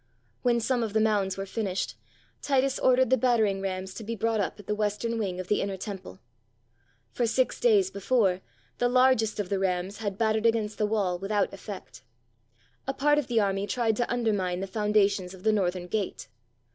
When some of the mounds were finished, Titus or dered the battering rams to be brought up at the west em wing of the inner temple. For six days before, the largest of the rams had battered against the wall with out effect. A part of the army tried to undermine the foundations of the northern gate.